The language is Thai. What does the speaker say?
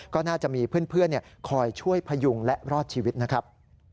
ก็น่าจะมีเพื่อนคอยช่วยพยุงและรอดชีวิตนะครับ